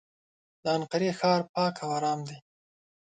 د انقرې ښار پاک او ارام دی.